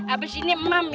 abis ini emam ya